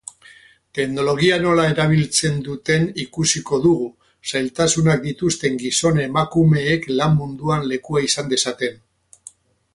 Teknologia nola erabiltzen duten ikusiko dugu zailtasunak dituzten gizon-emakumeek lan-munduan lekua izan dezaten.